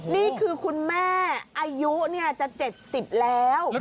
นี่คือคุณแม่อายุจะ๗๐แล้ว